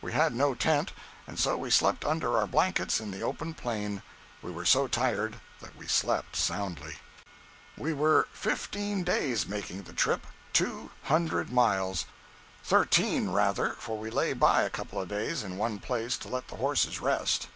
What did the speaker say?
We had no tent, and so we slept under our blankets in the open plain. We were so tired that we slept soundly. 199.jpg (54K) We were fifteen days making the trip—two hundred miles; thirteen, rather, for we lay by a couple of days, in one place, to let the horses rest.